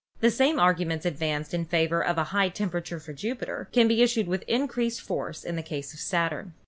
The same arguments advanced in favor of a high temperature for Jupiter can be used with increased force in the case of Saturn.